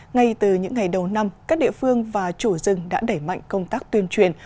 ngay từ những ngày đầu năm các địa phương và chủ rừng đã đẩy mạnh công tác tuyên truyền